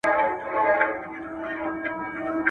o کږه غاړه توره نه خوري.